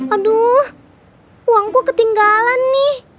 aduh uangku ketinggalan nih